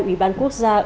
ủy ban quốc gia ước